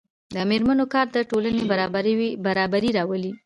د میرمنو کار د ټولنې برابري راولي.